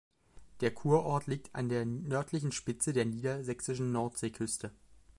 Der Kurort liegt an der nördlichen Spitze der niedersächsischen Nordseeküste.